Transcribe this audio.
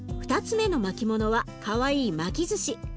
２つ目の巻きものはかわいい巻きずし。